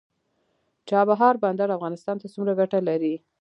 چابهار بندر افغانستان ته څومره ګټه لري؟